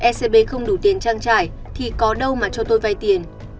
scb không đủ tiền trang trải thì có đâu mà cho tôi vai tiền